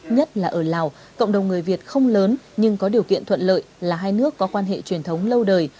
nhất là ở lào cộng đồng người việt không lớn nhưng có điều kiện thuận lợi là hai nước có quan hệ truyền thống lâu đời